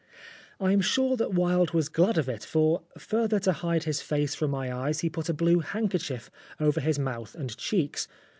I am sure that Wilde was glad of it, for, further to hide his face from my eyes, he put a blue handkerchief over his mouth and cheeks.